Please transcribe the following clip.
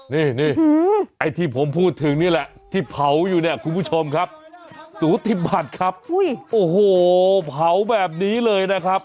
นี่ไอ้ที่ผมพูดถึงนี่แหละที่เผาอยู่เนี่ยคุณผู้ชมครับสูติบัติครับโอ้โหเผาแบบนี้เลยนะครับ